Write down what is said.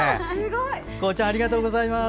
公ちゃんありがとうございます。